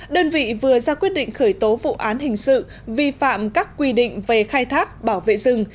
đơn vị vừa ra quyết định khởi tố vụ án hình sự vi phạm các quy định về khai thác bảo vệ rừng